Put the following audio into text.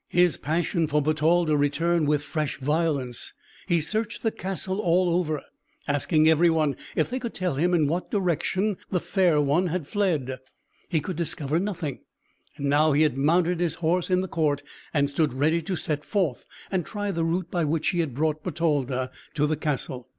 His passion for Bertalda returned with fresh violence; he searched the castle all over, asking everyone if they could tell him in what direction the fair one had fled. He could discover nothing; and now he had mounted his horse in the court, and stood ready to set forth, and try the route by which he had brought Bertalda to the castle.